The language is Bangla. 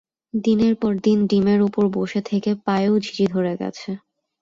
দিনের পর দিন ডিমের ওপর বসে থেকে পায়েও ঝিঁঝি ধরে গেছে।